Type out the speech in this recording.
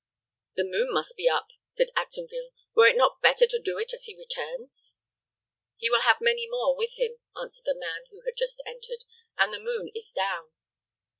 "The moon must be up," said Actonville. "Were it not better to do it as he returns?" "He will have many more with him," answered the man who had just entered; "and the moon is down."